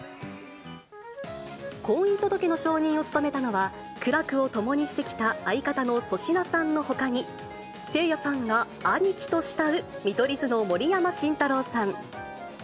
婚姻届の証人を務めたのは、苦楽を共にしてきた相方の粗品さんのほかに、せいやさんが兄貴と慕う、見取り図の盛山晋太郎さん。